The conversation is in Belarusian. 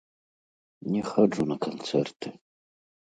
Не хаджу на канцэрты.